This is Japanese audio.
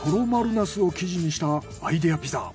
ナスを生地にしたアイデアピザ。